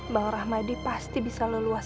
bang rahmadi pasti bisa leluas